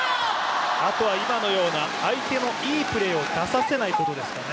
あとは今のような相手のいいプレーを出させないことですかね。